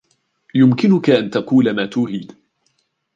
يُمكِنَك أن تقول ما تريد.